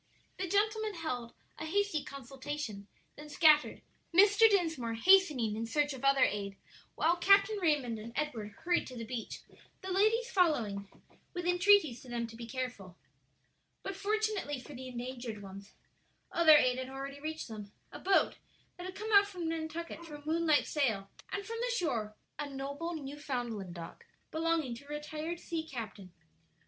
The gentlemen held a hasty consultation, then scattered, Mr. Dinsmore hastening in search of other aid, while Captain Raymond and Edward hurried to the beach, the ladies following with entreaties to them to be careful. But fortunately for the endangered ones, other aid had already reached them a boat that had come out from Nantucket for a moonlight sail, and from the shore a noble Newfoundland dog belonging to a retired sea captain.